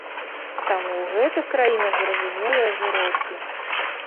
Таму ў гэтых краінах зразумелыя жыроўкі.